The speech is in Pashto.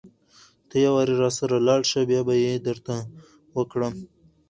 ته يوارې راسره لاړ شه بيا به يې درته وکړم.